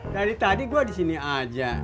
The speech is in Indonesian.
dari tadi gue disini aja